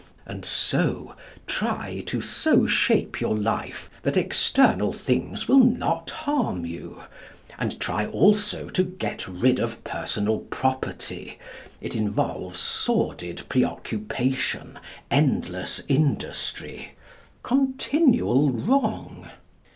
And so, try to so shape your life that external things will not harm you. And try also to get rid of personal property. It involves sordid preoccupation, endless industry, continual wrong.